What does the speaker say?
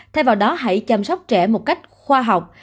thay vào đó hãy chăm sóc trẻ một cách khoa học